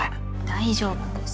大丈夫です。